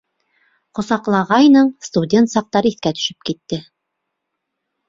Ҡосаҡлағайның, студент саҡтар иҫкә төшөп китте.